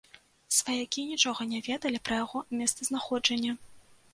Сваякі нічога не ведалі пра яго месцазнаходжанне.